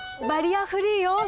バリアフリーよ。